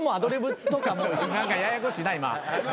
何かややこしいな今。